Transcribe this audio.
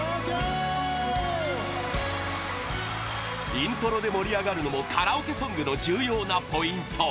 イントロで盛り上がるのもカラオケソングの重要なポイント